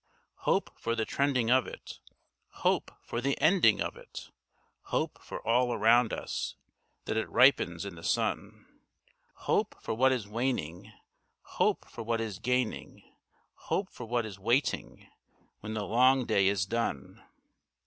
Hope for the trending of it, Hope for the ending of it, Hope for all around us, That it ripens in the sun. Hope for what is waning, Hope for what is gaining, Hope for what is waiting When the long day is done.